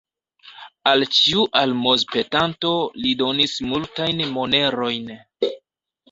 Al ĉiu almozpetanto li donis multajn monerojn.